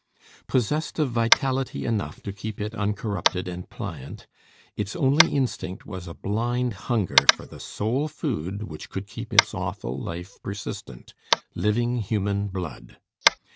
Possessed of vitality enough to keep it uncorrupted and pliant, its only instinct was a blind hunger for the sole food which could keep its awful life persistent living human blood.